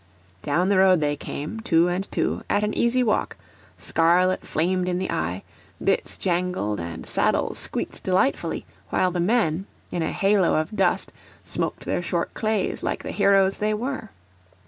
Down the road they came, two and two, at an easy walk; scarlet flamed in the eye, bits jingled and saddles squeaked delightfully; while the men, in a halo of dust, smoked their short clays like the heroes they were.